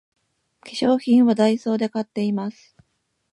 化粧品はダイソーで買っています